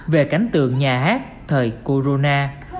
về cảnh tượng nhà hát thời corona